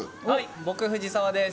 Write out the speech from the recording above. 僕、藤澤です。